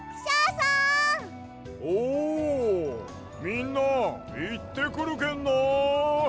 おみんないってくるけんな！